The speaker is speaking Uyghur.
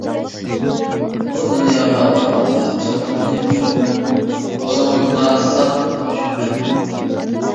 ئۇ دۇنياغا بارغاندا چاپاننى چوقۇم قولىڭىزغا ساق تاپشۇرىمەن.